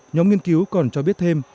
nhóm nghiên cứu còn cho biết thêm